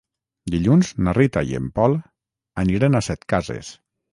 Dilluns na Rita i en Pol aniran a Setcases.